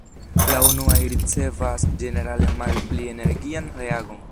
La unuaj ricevas ĝenerale malpli energian reagon.